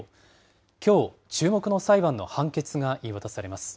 きょう、注目の裁判の判決が言い渡されます。